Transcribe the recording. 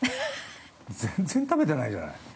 全然食べてないじゃない。